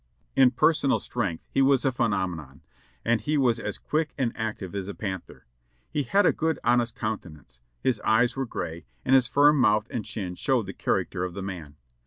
In personal strength he was a phenomenon, and he was as quick and active as a panther. He had a good, honest coun tenance; his eyes were gray, and his firm mouth and chin showed the character of the man.